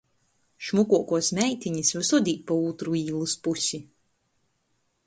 Šmukuokuos meitinis vysod īt pa ūtru īlys pusi.